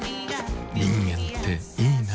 人間っていいナ。